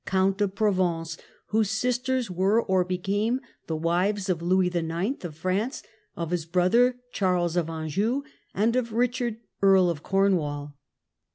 Count of Provence, whose sisters were or beotme the wives of Louis IX. of France, of his brother Charles of Anjou, and of Richard, Earl of Cornwall.